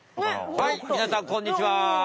はいみなさんこんにちは！